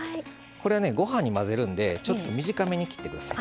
ごはんに混ぜるんでちょっと短めに切ってください。